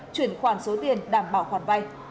chuyển khoản số tiền đảm bảo khoản vay